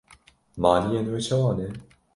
Maliyên we çawa ne?